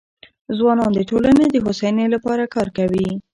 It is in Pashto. ځوانان د ټولنې د هوساینې لپاره کار کوي.